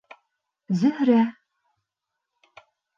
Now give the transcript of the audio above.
— Зөһрә.